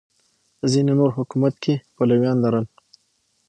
ځینې نور حکومت کې پلویان لرل